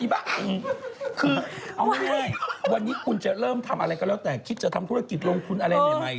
คือเอาง่ายวันนี้คุณจะเริ่มทำอะไรก็แล้วแต่คิดจะทำธุรกิจลงทุนอะไรใหม่